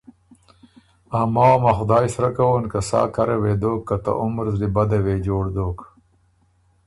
ا ماوه م ا خدای سرۀ کوون که سا کره وې دوک که ته عمر زلی بده وې جوړ دوک۔